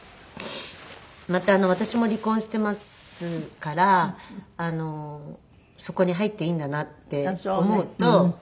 また私も離婚していますからそこに入っていいんだなって思うと。